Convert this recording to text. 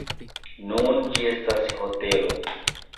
Nun ĝi estas hotelo.